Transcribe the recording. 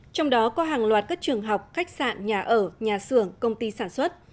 trong đó có hàng loạt các trường học khách sạn nhà ở nhà xưởng công ty sản xuất